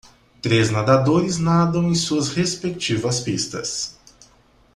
Três nadadores nadam em suas respectivas pistas.